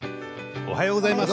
おはようございます。